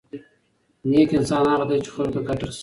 نېک انسان هغه دی چې خلکو ته ګټه رسوي.